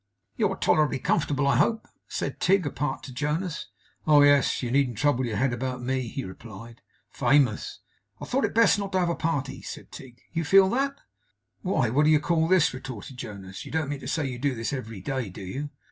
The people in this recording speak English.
'You're tolerably comfortable, I hope?' said Tigg, apart to Jonas. 'Oh! You needn't trouble your head about ME,' he replied, 'Famous!' 'I thought it best not to have a party,' said Tigg. 'You feel that?' 'Why, what do you call this?' retorted Jonas. 'You don't mean to say you do this every day, do you?